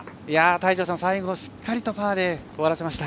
泰二郎さん、最後しっかりとパーで終わらせました。